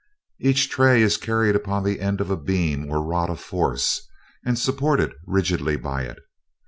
"Each tray is carried upon the end of a beam or rod of force, and supported rigidly by it.